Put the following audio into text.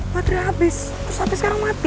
padahal abis terus abis sekarang mati